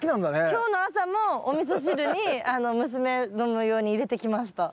今日の朝もおみそ汁に娘の用に入れてきました。